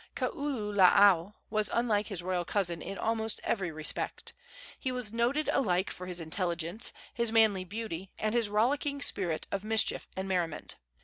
Kaululaau was unlike his royal cousin in almost every respect. He was noted alike for his intelligence, his manly beauty and his rollicking spirit of mischief and merriment.